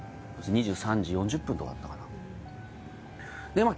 ２３時４０分とかだったかなでまあ